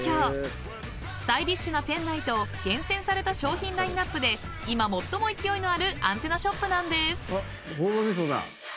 ［スタイリッシュな店内と厳選された商品ラインアップで今最も勢いのあるアンテナショップなんです］